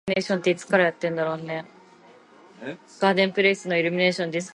For example, "She is reading a book" is a statement in the indicative mood.